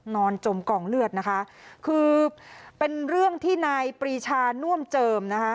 จมกองเลือดนะคะคือเป็นเรื่องที่นายปรีชาน่วมเจิมนะคะ